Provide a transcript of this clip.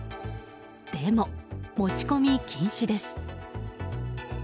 でも持ち込み禁止です。